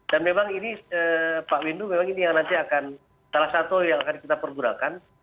dan memang ini pak windu memang ini yang nanti akan salah satu yang akan kita pergunakan